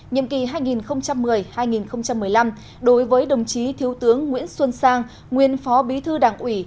nhiệm kỳ hai nghìn một mươi hai nghìn một mươi năm đối với đồng chí thiếu tướng nguyễn xuân sang nguyên phó bí thư đảng ủy